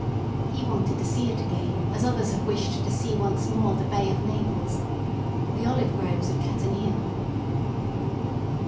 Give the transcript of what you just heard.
He wanted to see it again as others have wished to see once more the Bay of Naples, the olive groves of Catania.